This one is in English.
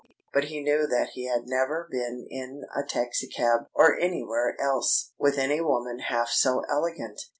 But he knew that he had never been in a taxicab, or anywhere else, with any woman half so elegant.